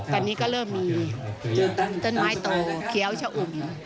ตอนนี้ก็เริ่มมีต้นไม้โตเคี้ยวชะอุ่ม